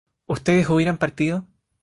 ¿ustedes hubieran partido?